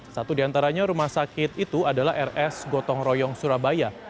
satu di antaranya rumah sakit itu adalah rs gotong royong surabaya